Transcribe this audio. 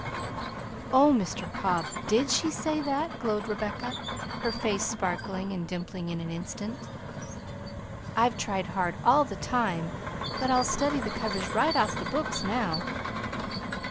"Oh, Mr. Cobb, DID she say that?" glowed Rebecca, her face sparkling and dimpling in an instant. "I've tried hard all the time, but I'll study the covers right off of the books now."